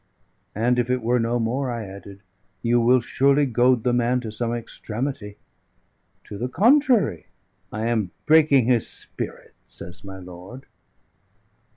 "And if it were no more," I added, "you will surely goad the man to some extremity." "To the contrary; I am breaking his spirit," says my lord.